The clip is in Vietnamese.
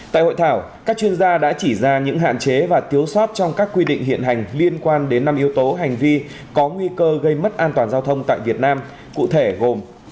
tại hội thảo các chuyên gia đã chỉ ra những hạn chế và thiếu sót trong các quy định hiện hành liên quan đến năm yếu tố hành vi có nguy cơ gây mất an toàn giao thông tại việt nam cụ thể gồm